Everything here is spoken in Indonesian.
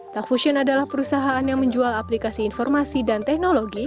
tafusion adalah perusahaan yang menjual aplikasi informasi dan teknologi